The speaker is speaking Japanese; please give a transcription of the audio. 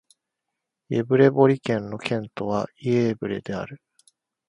イェヴレボリ県の県都はイェーヴレである